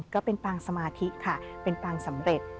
ก็เป็นปางสมาธิค่ะเป็นปางสำเร็จ